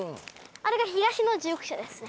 あれが東の十九社ですね。